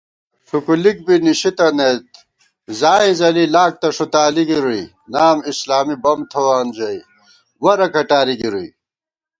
ݭُکُلِک بی نِشِتنَئیت ځائېں ځَلی لاک تہ ݭُتالی گِرُوئی * نام اسلامی بم تھووون ژَئی ورہ کٹاری گِروئی